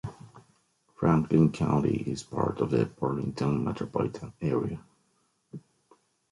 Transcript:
Franklin County is part of the Burlington metropolitan area.